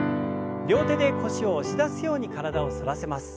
両手で腰を押し出すように体を反らせます。